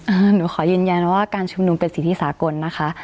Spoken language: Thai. หนูขอยืนยันว่าการชุมนุมเป็นสิทธิสากลนะคะ